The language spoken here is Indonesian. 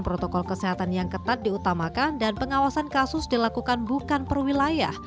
protokol kesehatan yang ketat diutamakan dan pengawasan kasus dilakukan bukan perwilayah